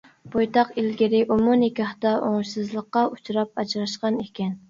بويتاق، ئىلگىرى ئۇمۇ نىكاھتا ئوڭۇشسىزلىققا ئۇچراپ ئاجراشقان ئىكەن.